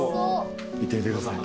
いってみてください。